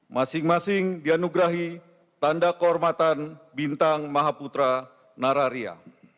masing masing dianugerahi tanda kehormatan bintang mahaputra nararia